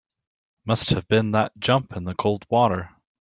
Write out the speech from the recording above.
Must have been that jump in the cold water.